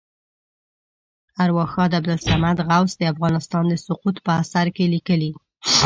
ارواښاد عبدالصمد غوث د افغانستان د سقوط په اثر کې لیکلي.